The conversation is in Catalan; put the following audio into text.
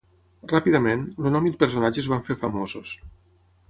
Ràpidament, el nom i el personatge es van fer famosos.